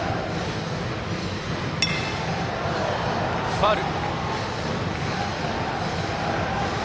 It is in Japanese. ファウル。